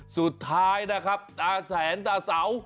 สุดท้ายนะครับตาแสนตาเสา